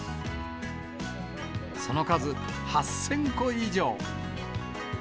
その数８０００個以上。